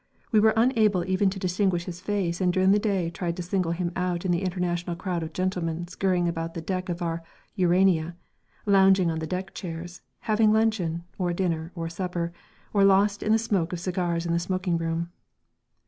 We were unable even to distinguish his face and during the day tried to single him out in the international crowd of gentlemen scurrying about the deck of our Urania, lounging on the deck chairs, having luncheon, or dinner or supper, or lost in the smoke of cigars in the smoking room.